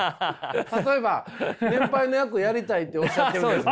例えば年配の役やりたいっておっしゃってるんですね。